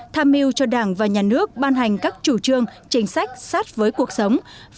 tham mưu cho đảng và nhà nước ban hành các chủ trương chính sách sát với cuộc sống